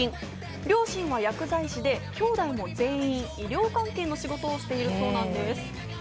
両親は薬剤師できょうだいも全員医療関係の仕事をしているそうなんです。